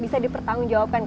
bisa dipertanggung jawabkan